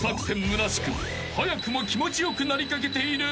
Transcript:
むなしく早くも気持ち良くなりかけているＢＥＮＩ］